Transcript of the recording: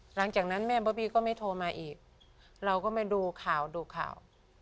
หลังจากนั้นแม่บอบบี้ก็ไม่โทรมาอีกเราก็มาดูข่าวดูข่าว